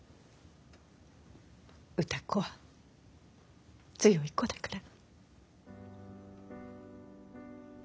歌子は強い子だから。